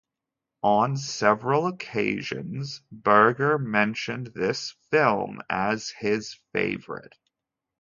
On several occasions Berger mentioned this film as his favorite.